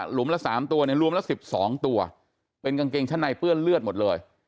มละ๓ตัวเนี่ยรวมละ๑๒ตัวเป็นกางเกงชั้นในเปื้อนเลือดหมดเลย